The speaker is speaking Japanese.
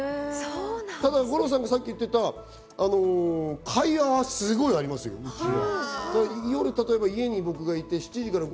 ただ五郎さんがさっき言ってた会話はすごいありますよ、うちは。